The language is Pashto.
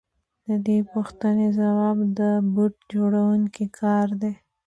د دې پوښتنې ځواب د بوټ جوړونکي کار دی